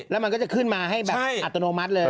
แล้วมันก็จะขึ้นมาให้แบบอัตโนมัติเลย